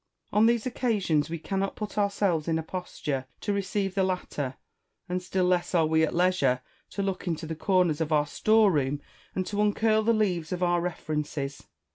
On these occasions we cannot put ourselves in a posture to receive the latter, and still less are we at leisure to look into the corners of our store room, and to uncurl the leaves of our references.